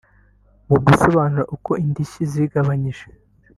Mu gusobanura uko indishyi zigabanyije